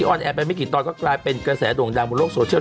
อนแอร์ไปไม่กี่ตอนก็กลายเป็นกระแสโด่งดังบนโลกโซเชียล